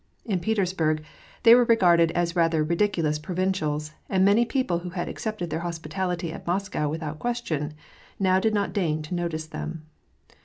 In Petersburg they were regarded as rather ridiculous provincials, and many people who had accepted their hospitality at Moscow without question, now did not deign to notice them.